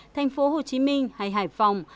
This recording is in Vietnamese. thành phố hồ chí minh hay hải phòng